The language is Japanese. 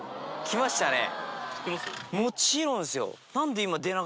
来ましたね。